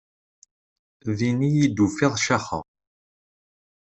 Din iyi-d tufiḍ caxeɣ.